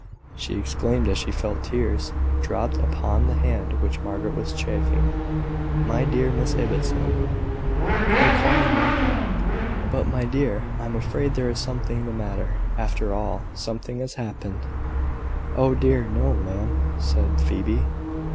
she exclaimed as she felt tears drop upon the hand which Margaret was chafing "my dear Miss Ibbotson " "Oh! call me Margaret!" "But, my dear, I am afraid there is something the matter, after all. Something has happened." "Oh, dear, no, ma'am!" said Phoebe.